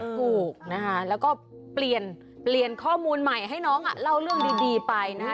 กลุกนะฮะแล้วก็เปลี่ยนข้อมูลใหม่ให้น้องเล่าเรื่องดีไปนะ